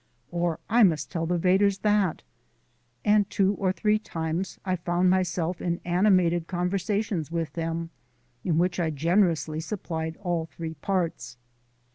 Or, I must tell the Vedders that. And two or three times I found myself in animated conversations with them in which I generously supplied all three parts.